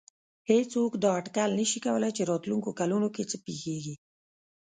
هېڅوک دا اټکل نه شي کولای چې راتلونکو کلونو کې څه پېښېږي.